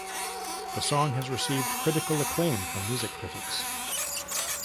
The song has received critical acclaim from music critics.